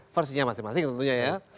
versinya masing masing tentunya ya